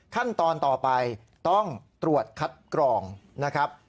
ขั้นตอนต่อไปต้องตรวจคัดกรองนะครับ